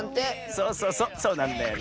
そうそうそうそうなんだよね。